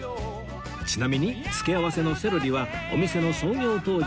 ちなみに付け合わせのセロリはお店の創業当時から続く伝統